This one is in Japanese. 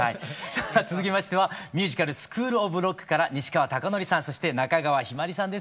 さあ続きましてはミュージカル「スクールオブロック」から西川貴教さんそして中川陽葵さんです。